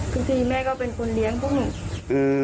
ทีแม่ก็เป็นคนเลี้ยงพวกหนู